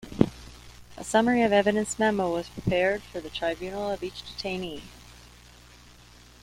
A Summary of Evidence memo was prepared for the tribunal of each detainee.